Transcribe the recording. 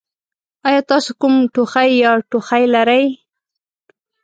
ایا تاسو کوم ټوخی یا ټوخی لرئ؟